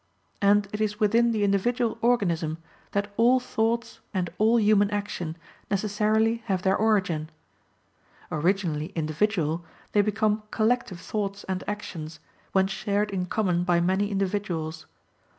And it is within the individual organism that all thoughts and all human action necessarily have their origin. Originally individual, they become collective thoughts and actions, when shared in common by many individuals.